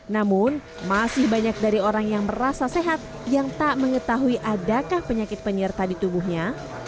namun masih banyak dari orang yang merasa sehat yang tak mengetahui adakah penyakit penyerta di tubuhnya